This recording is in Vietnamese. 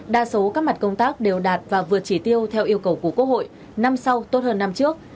đa số các mặt công tác đều đạt và vượt chỉ tiêu theo yêu cầu của quốc hội năm sau tốt hơn năm trước